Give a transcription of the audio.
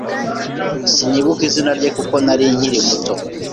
sinibuka izina rye kuko narinkiri muto